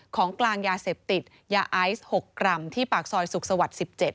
ของกลางยาเสพติดยาไอซ์๖กรัมที่ปากซอยสุขสวรรค์๑๗